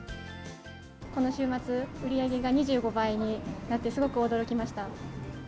この週末、売り上げが２５倍になって、すごく驚きました。